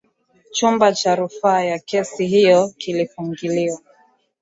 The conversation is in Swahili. chumba cha rufaa ya kesi hiyo kilifunguliwa